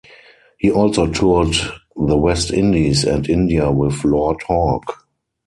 He also toured the West Indies and India with Lord Hawke.